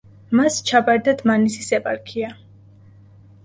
მას ჩაბარდა დმანისის ეპარქია.